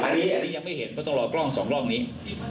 อันนี้อันนี้ยังไม่เห็นเพราะต้องรอกล้องสองกล้องนี้